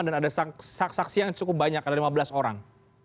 dan ada saksi saksi yang cukup banyak ada lima belas orang